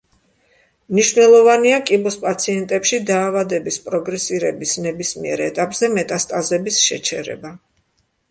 მნიშვნელოვანია, კიბოს პაციენტებში დაავადების პროგრესირების ნებისმიერ ეტაპზე მეტასტაზების შეჩერება.